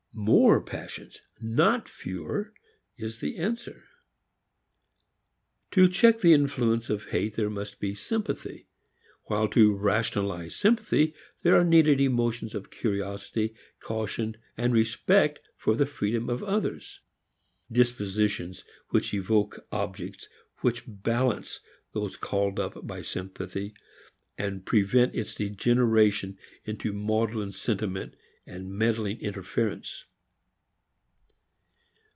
More "passions," not fewer, is the answer. To check the influence of hate there must be sympathy, while to rationalize sympathy there are needed emotions of curiosity, caution, respect for the freedom of others dispositions which evoke objects which balance those called up by sympathy, and prevent its degeneration into maudlin sentiment and meddling interference.